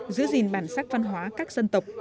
giữ gìn bản sắc văn hóa các dân tộc